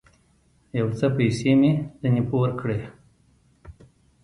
يو څه پيسې مې ځنې پور کړې.